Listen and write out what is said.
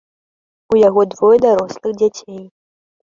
У яго двое дарослых дзяцей.